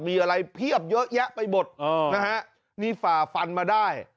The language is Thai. มีอะไรเพียบเยอะแยะไปหมดนะฮะนี่ฝ่าฟันมาได้